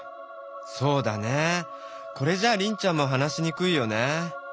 そうだねこれじゃあリンちゃんも話しにくいよね。